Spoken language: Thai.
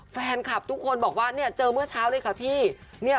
แฟนคลับทุกคนบอกว่าเนี่ยเจอเมื่อเช้าเลยค่ะพี่